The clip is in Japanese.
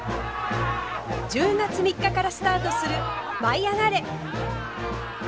１０月３日からスタートする「舞いあがれ！」。